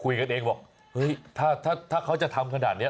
เราไม่ชกไหม